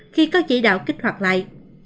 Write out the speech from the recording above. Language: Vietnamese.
khi có chỉ đạo kích hoạt lại